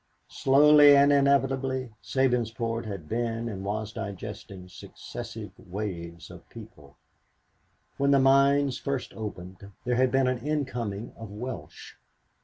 Slowly and inevitably Sabinsport had been and was digesting successive waves of peoples. When the mines first opened there had been an incoming of Welsh.